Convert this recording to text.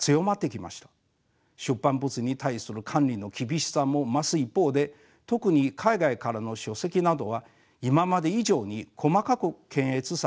出版物に対する管理の厳しさも増す一方で特に海外からの書籍などは今まで以上に細かく検閲されています。